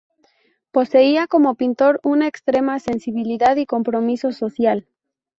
Poseía como pintor una extrema sensibilidad y compromiso social.